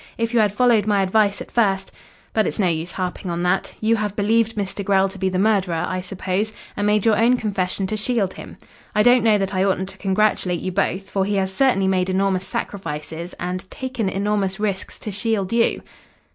If you had followed my advice at first but it's no use harping on that. You have believed Mr. Grell to be the murderer, I suppose, and made your own confession to shield him. I don't know that I oughtn't to congratulate you both, for he has certainly made enormous sacrifices, and taken enormous risks to shield you."